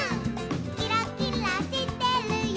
「キラキラしてるよ」